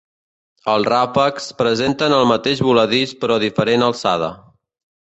Els ràfecs presenten el mateix voladís però diferent alçada.